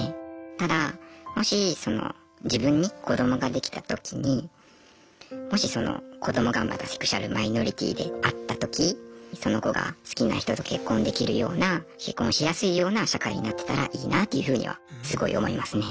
ただもし自分に子どもができたときにもしその子どもがまたセクシュアルマイノリティーであったときその子が好きな人と結婚できるような結婚しやすいような社会になってたらいいなというふうにはすごい思いますね。